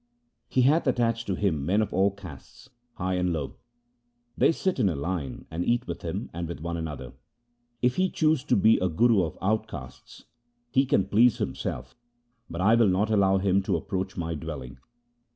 He hath attached to him men of all castes, high and low. They sit in a line and eat with him and with one another. If he choose to be a Guru of outcastes, he can please him self, but I will not allow him to approach my dwell ing.'